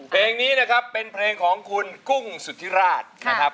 เพลงนี้นะครับเป็นเพลงของคุณกุ้งสุธิราชนะครับ